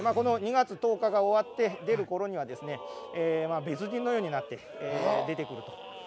２月１０日が終わって出るころには別人のようになって出てくると。